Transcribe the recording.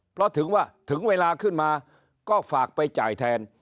เพราะถึงว่าถึงเวลาขึ้นมาก็ฝากไปจ่ายแทน